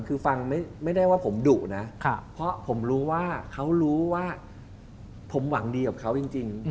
คือฟังไม่ได้ว่าผมดุนะเพราะผมรู้ว่าเขารู้ว่าผมหวังดีกับเขาจริง